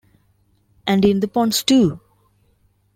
And in the ponds too!